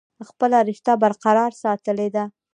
خپله رشته برقرار ساتلي ده ۔